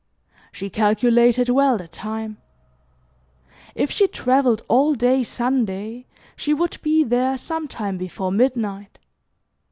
She calculated well the time. If she travelled all day Sunday, she would be there sometime before midnight.